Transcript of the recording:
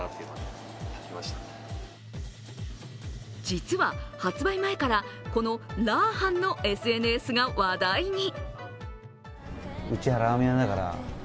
実は、発売前からこのラー飯のＳＮＳが話題に。